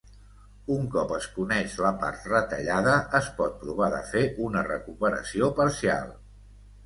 Un cop es coneix la part retallada, es pot provar de fer una recuperació parcial.